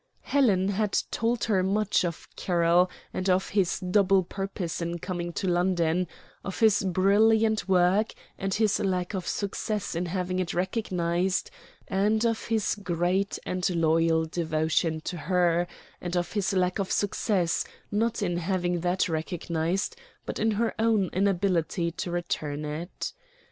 Helen had told her much of Carroll and of his double purpose in coming to London; of his brilliant work and his lack of success in having it recognized; and of his great and loyal devotion to her, and of his lack of success, not in having that recognized, but in her own inability to return it.